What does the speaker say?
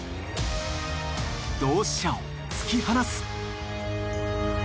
同志社を突き放す。